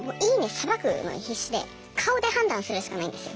さばくのに必死で顔で判断するしかないんですよ。